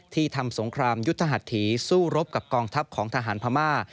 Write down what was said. ทำสงครามยุทธหัสถีสู้รบกับกองทัพของทหารพม่า